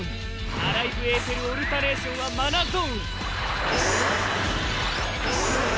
アライブ・エーテル・オルタネーションはマナゾーンへ。